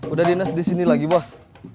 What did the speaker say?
udah dinas di sini lagi bos